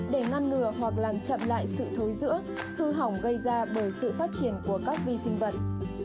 để ngăn ngừa hoặc làm chậm lại sự thối giữa hư hỏng gây ra bởi sự phát triển của các vi sinh vật